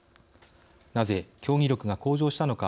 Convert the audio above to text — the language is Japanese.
なぜ、競技力が向上したのか。